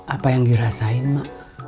apa yang dirasain mak